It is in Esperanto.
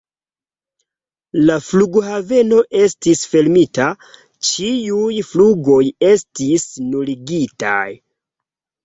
La flughaveno estis fermita, ĉiuj flugoj estis nuligitaj.